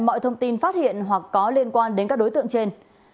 mọi thông tin phát hiện hoặc có liên quan đến các đối tượng trên